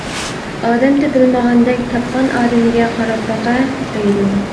ئادەم تېپىلمىغاندەك تاپقان ئادىمىگە قاراپ باقە، دەيدۇ.